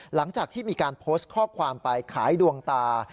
หลังจากที่มีการโพสต์ข้อความไปขายดวงตา